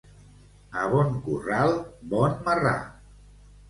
A bon corral, bon marrà.